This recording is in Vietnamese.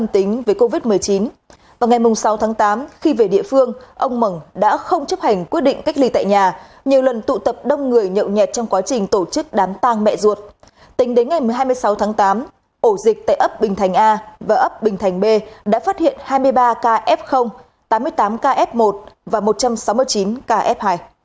tính đến ngày hai mươi sáu tháng tám ổ dịch tại ấp bình thành a và ấp bình thành b đã phát hiện hai mươi ba kf tám mươi tám kf một và một trăm sáu mươi chín kf hai